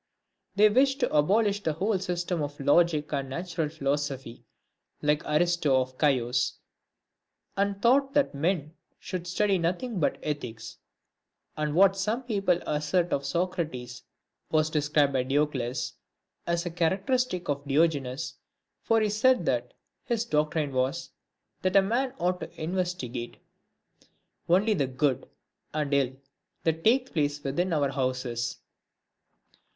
They wished to abolish the whole system of logic and natural philosophy, like Aristo of Chios, and thought that men should study nothing but ethics ; and what some people assert of Socrates was described by Diocles as a characteristic of Dio genes, for he said that his doctrine was, that a man ought to investigate — Only the good and ill that taketh place Within our houses.